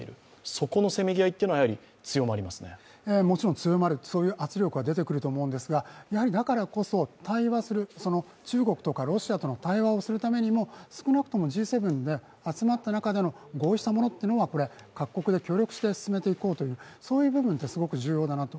そこのせめぎ合いというのはそういう圧力は出てくると思うんですがやはりだからこそ対話する、中国とかロシアと対話するためにも少なくともＧ７で集まった中での合意したものを各国で協力して進めていこうという部分って重要だなと。